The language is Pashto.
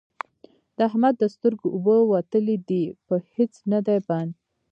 د احمد د سترګو اوبه وتلې دي؛ په هيڅ نه دی بند،